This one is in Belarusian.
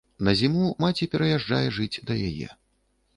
На зіму маці пераязджае жыць да яе.